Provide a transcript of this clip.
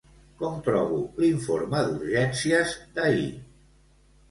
Com trobo l'informe d'urgències d'ahir?